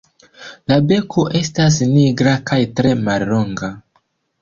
La beko estas nigra kaj tre mallonga.